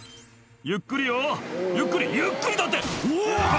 「ゆっくりよゆっくりゆっくりだって！うわ！」